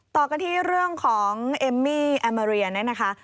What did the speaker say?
ต่อกันที่เรื่องของเอมมี่แอลเมรียนะครับ